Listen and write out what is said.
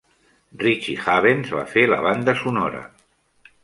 Richie Havens va fer la banda sonora.